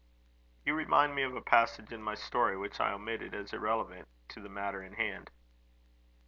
"You remind me of a passage in my story which I omitted, as irrelevant to the matter in hand."